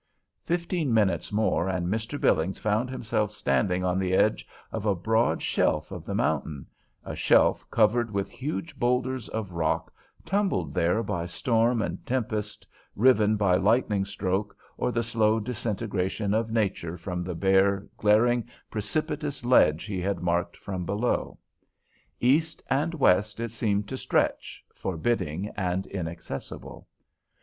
Fifteen minutes more, and Mr. Billings found himself standing on the edge of a broad shelf of the mountain, a shelf covered with huge boulders of rock tumbled there by storm and tempest, riven by lightning stroke or the slow disintegration of nature from the bare, glaring, precipitous ledge he had marked from below. East and west it seemed to stretch, forbidding and inaccessible.